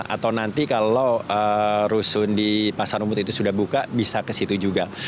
atau nanti kalau rusun di pasar umbut itu sudah buka bisa ke situ juga